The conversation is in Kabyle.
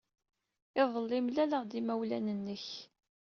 Iḍelli, mlaleɣ-d imawlan-nnek.